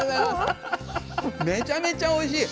めちゃめちゃおいしい。